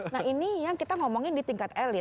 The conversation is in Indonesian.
nah ini yang kita ngomongin di tingkat elit